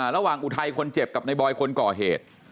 อุทัยคนเจ็บกับในบอยคนก่อเหตุ